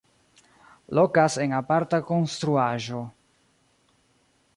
Lokas en aparta konstruaĵo.